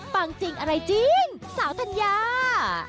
จริงอะไรจริงสาวธัญญา